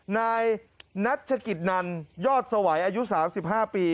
นายนัชกิจนันยอดสวัยอายุ๓๕ปี